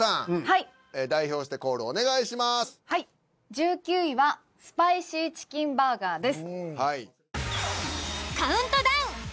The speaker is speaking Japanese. １９位はスパイシーチキンバーガーです。